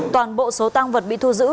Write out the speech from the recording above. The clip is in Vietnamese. toàn bộ số tăng vật bị thu giữ